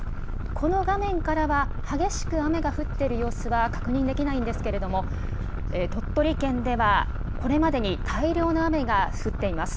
この画面からは、激しく雨が降っている様子は確認できないんですけれども、鳥取県ではこれまでに大量の雨が降っています。